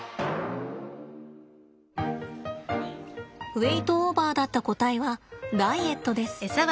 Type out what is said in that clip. ウエイトオーバーだった個体はダイエットです。